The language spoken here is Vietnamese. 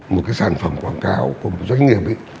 một cái sản phẩm quảng cáo của một doanh nghiệp ấy